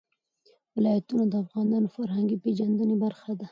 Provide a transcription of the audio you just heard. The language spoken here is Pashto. ولایتونه د افغانانو د فرهنګي پیژندنې برخه ده.